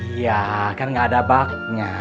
iya kan gak ada baknya